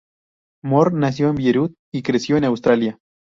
Moor nació en Beirut y creció en Australia.